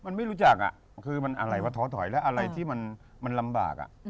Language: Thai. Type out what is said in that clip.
มันไม่รู้จักอ่ะคือมันอะไรวะท้อถอยแล้วอะไรที่มันลำบาก